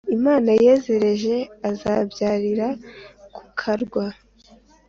imana yazereje azibyarira ku karwa.